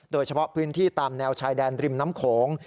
โดยเฉพาะพื้นที่ตามแนวชายแดนริมน้ำโขง